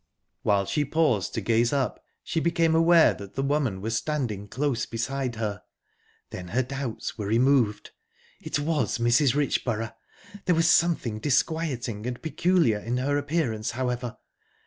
While she paused to gaze up, she became aware that the woman was standing close beside her. Then her doubts were remove. It was Mrs. Richborough!...there was something disquieting and peculiar in her appearance, however...